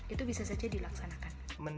itu bisa saja dilaksanakan